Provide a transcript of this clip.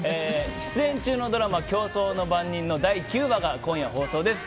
出演中のドラマ「競争の番人」の第９話が今夜放送です。